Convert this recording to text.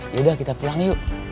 yaudah kita pulang yuk